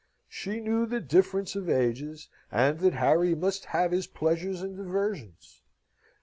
She knew the difference of ages, and that Harry must have his pleasures and diversions.